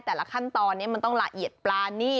แต่ละขั้นตอนนี้มันต้องละเอียดปลานี่